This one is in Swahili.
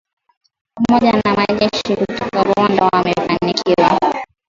pamoja na majeshi kutoka Rwanda wamefanikiwa